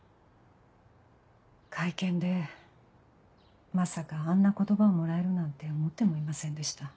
会見でまさかあんな言葉をもらえるなんて思ってもいませんでした。